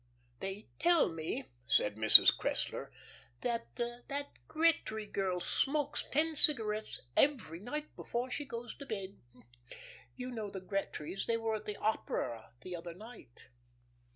"They tell me," said Mrs. Cressler, "that that Gretry girl smokes ten cigarettes every night before she goes to bed. You know the Gretrys they were at the opera the other night."